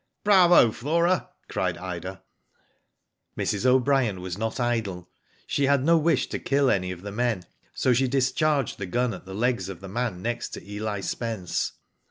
"Bravo, Flora!" cried Ida. Mrs. O'Brien was not idle. She had no wish to kill any of the men, so she discharged the gun at the legs of the man next to. Eli Spence.